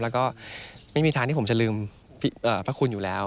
แล้วก็ไม่มีทางที่ผมจะลืมพระคุณอยู่แล้ว